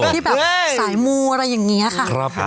ที่แบบสายมูอะไรอย่างนี้ค่ะ